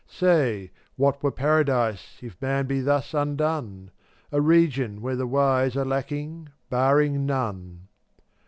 Say, what were paradise If man be thus undone? A region where the wise Are lacking, barring none.